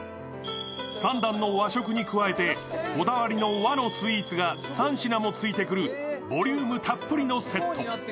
３段の和食に続いてこだわりの和のスイーツがついてくるボリュームたっぷりのセット。